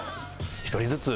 １人ずつ？